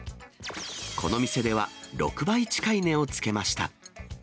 この店では６倍近い値をつけました。